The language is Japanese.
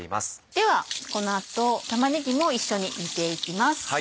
ではこの後玉ねぎも一緒に煮ていきます。